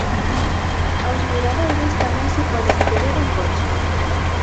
Aos miradoiros tamén se pode acceder en coche.